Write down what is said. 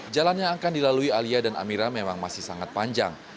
jalan yang akan dilalui alia dan amira memang masih sangat panjang